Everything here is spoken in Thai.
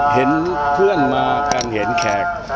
เห็นเพื่อนมากันเห็นแขก